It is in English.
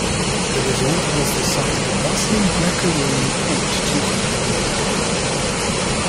The resort was the site of a bustling Greco-Roman port two thousand years ago.